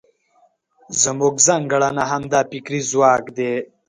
زموږ ځانګړنه همدا فکري ځواک دی.